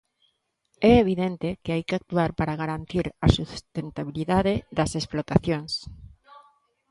É evidente que hai que actuar para garantir a sustentabilidade das explotacións.